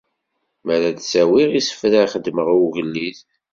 Mi ara d-ttawiɣ isefra i xedmeɣ i ugellid.